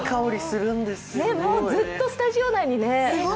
もうずっとスタジオ内にね。